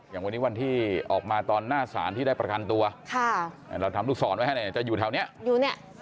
อย่างวันนี้วันที่ออกมาตอนหน้าสารที่ได้ประกันตัวเราทำลูกศรไว้ให้เนี่ยจะอยู่แถวนี้อยู่เนี่ย